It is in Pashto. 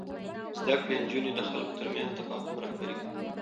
زده کړې نجونې د خلکو ترمنځ تفاهم رهبري کوي.